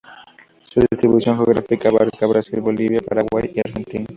Su distribución geográfica abarca Brasil, Bolivia, Paraguay y Argentina.